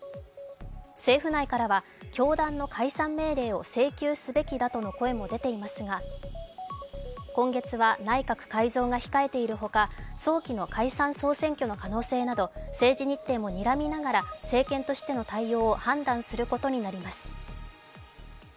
政府内からは教団の解散命令を請求すべきだとの声も出ていますが今月は内閣改造が控えているほか、早期の解散総選挙の可能性など、政治日程もにらみながら政権としての対応を判断することになります。